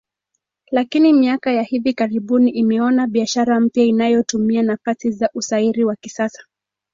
Lakini miaka ya hivi karibuni imeona biashara mpya inayotumia nafasi za usairi wa kisasa